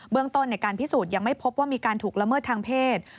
เรื่องต้นในการพิสูจน์ยังไม่พบว่ามีการถูกละเมิดทางเพศ